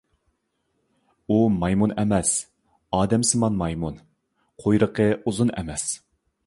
ئۇ مايمۇن ئەمەس، ئادەمسىمان مايمۇن، قۇيرۇقى ئۇزۇن ئەمەس.